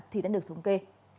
thì đã được thống kê